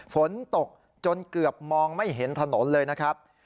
ฝนตกจนเกือบมองไม่เห็นถนนเลยนะครับ